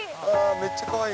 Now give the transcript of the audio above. めっちゃかわいい。